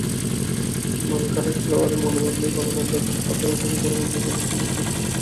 মানকাড়ের খেলোয়াড়ি মনোভাব নিয়ে গণমাধ্যমের প্রশ্ন তোলাটাকেই বরং অন্যায় বলেছিলেন তিনি।